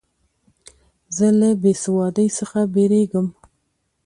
زه له بېسوادۍ څخه بېریږم.